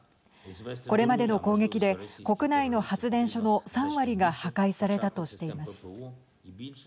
これまでの攻撃で国内の発電所の３割が破壊されたとしています。